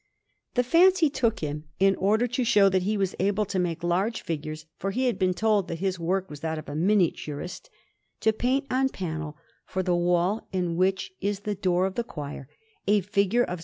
The fancy took him, in order to show that he was able to make large figures for he had been told that his manner was that of a miniaturist to paint on panel, for the wall in which is the door of the choir, a figure of S.